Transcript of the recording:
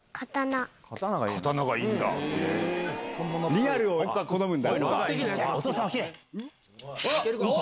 リアルを好むんだ。